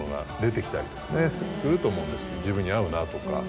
自分に合うなとか。